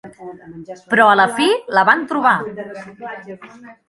Però a la fi la van trobar!